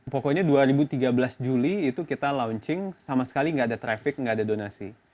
pokoknya dua ribu tiga belas juli itu kita launching sama sekali nggak ada traffic nggak ada donasi